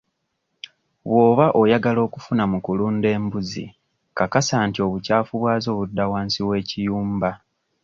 Bw'oba oyagala okufuna mu kulunda embuzi kakasa nti obukyafu bwazo budda wansi w'ekiyumba.